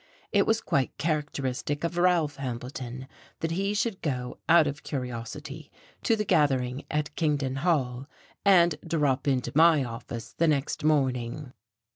It was quite characteristic of Ralph Hambleton that he should go, out of curiosity, to the gathering at Kingdon Hall, and drop into my office the next morning.